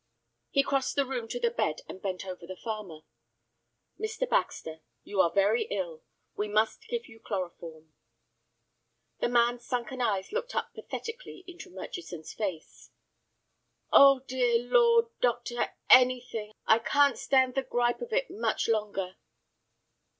He crossed the room to the bed, and bent over the farmer. "Mr. Baxter, you are very ill; we must give you chloroform." The man's sunken eyes looked up pathetically into Murchison's face. "Oh, dear Lord, doctor, anything; I can't stand the gripe of it much longer."